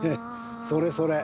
それそれ。